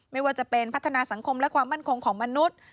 ไม่ว่าจะเป็นพัฒนาสังคมและความมั่นคงของมนุษย์